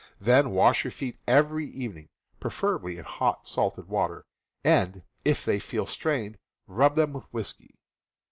Then wash your feet every evening, preferably in hot salted water, and, if they feel strained, rub them with whiskey.